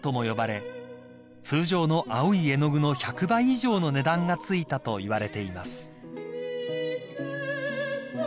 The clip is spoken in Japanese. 呼ばれ通常の青い絵の具の１００倍以上の値段がついたといわれています］